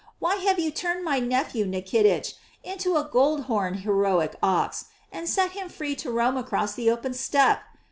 Why have you turned my nephew Nikitich into a golden horned heroic ox, and set him free to roam across the open steppe?